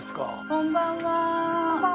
こんばんは。